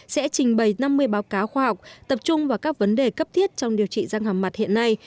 đã có thể báo cáo khoa học tập trung vào các vấn đề cấp thiết trong điều trị răng hạp mặt hiện nay